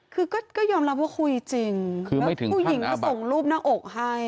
คือก็ยอมรับว่าคุยจริงแล้วผู้หญิงก็ส่งรูปหน้าอกให้